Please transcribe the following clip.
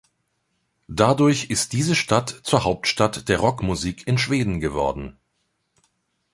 Dadurch ist diese Stadt zur Hauptstadt der Rock-Musik in Schweden geworden!